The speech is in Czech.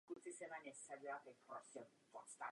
Vážně poškozena byla také budova školy.